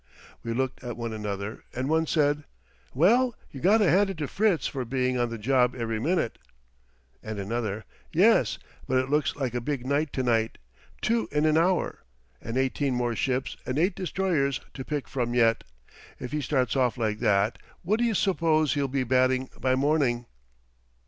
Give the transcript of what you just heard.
We looked at one another, and one said: "Well, you got to hand it to Fritz for being on the job every minute." And another: "Yes, but it looks like a big night to night. Two in an hour! And eighteen more ships and eight destroyers to pick from yet! If he starts off like that, what d'y' s'pose he'll be batting by morning?"